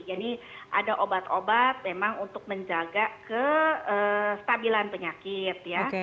jadi ada obat obat memang untuk menjaga kestabilan penyakit ya